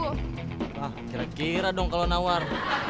wah kira kira dong kalau nawar